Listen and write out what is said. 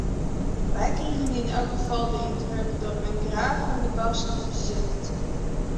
Wy krigen yn elk gefal de yndruk dat men graach oan de gasten fertsjinnet.